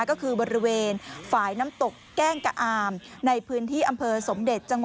ก็คือบริเวณฝ่ายน้ำตกแก้งกะอาม